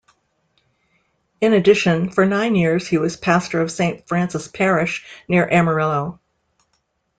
In addition, for nine years he was pastor of Saint Francis Parish near Amarillo.